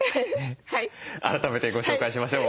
改めてご紹介しましょう。